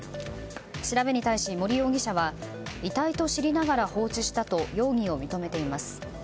調べに対し森容疑者は遺体と知りながら放置したと容疑を認めています。